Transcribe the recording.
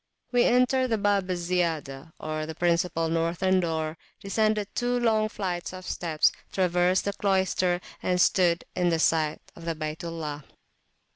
We entered by the Bab al Ziyadah, or principal northern door, descended two long flights of steps, traversed the cloister, and stood in sight of the Bayt Allah.